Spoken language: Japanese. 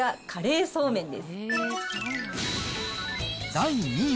第２位。